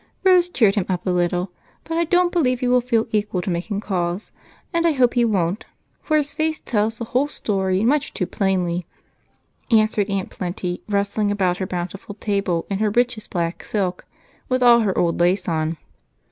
Rose cheered him up a little, but I don't believe he will feel equal to making calls and I hope he won't, for his face tells the whole story much too plainly," answered Aunty Plenty, rustling about her bountiful table in her richest black silk with all her old lace on.